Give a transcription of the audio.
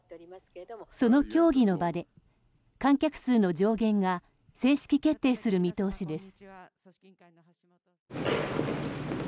その協議の場で、観客数の上限が正式決定する見通しです。